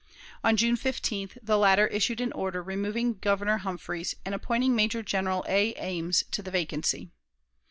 On June 15th the latter issued an order removing Governor Humphreys and appointing Major General A. Ames to the vacancy.